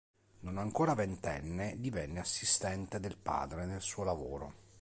Non ancora ventenne, divenne assistente del padre nel suo lavoro.